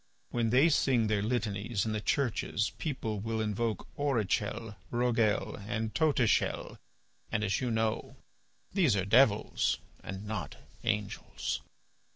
When they sing their litanies in the churches people will invoke Orichel, Roguel, and Totichel, and, as you know, these are devils and not angels.